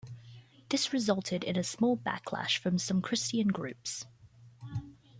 This resulted in a small backlash from some Christian groups.